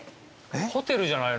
ホテルじゃないの？